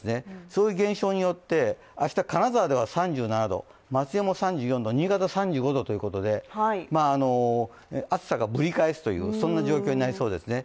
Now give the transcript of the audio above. そういう現象によって、明日金沢では３７度松江も３４度、新潟３５度ということで暑さがぶり返すという状況になりそうですね。